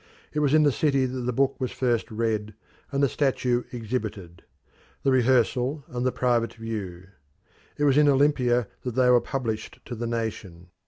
It was in the city that the book was first read and the statue exhibited the rehearsal and the private view; it was in Olympia that they were published to the nation.